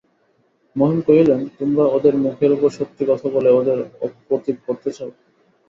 মহিম কহিলেন, তোমরা ওদের মুখের উপর সত্যি কথা বলে ওদের অপ্রতিভ করতে চাও!